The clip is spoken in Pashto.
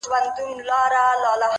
عاجزي د درنو انسانانو نښه ده’